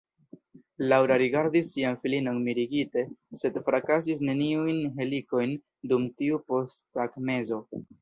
Laŭra rigardis sian filinon mirigite, sed frakasis neniujn helikojn dum tiu posttagmezo.